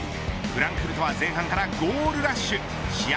フランクフルトは前半からゴールラッシュ。